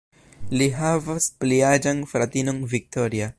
Li havas pli aĝan fratinon Victoria.